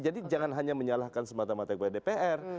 jadi jangan hanya menyalahkan semata mata kbdpr